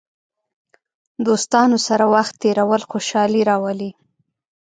دوستانو سره وخت تېرول خوشحالي راولي.